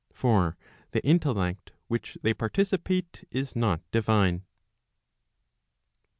For the intellect which they participate is not divine.